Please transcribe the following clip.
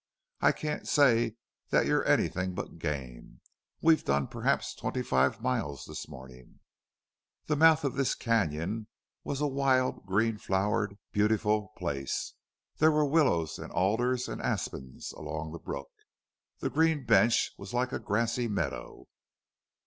"I can't say that you're anything but game. We've done perhaps twenty five miles this morning." The mouth of this canon was a wild, green flowered, beautiful place. There were willows and alders and aspens along the brook. The green bench was like a grassy meadow.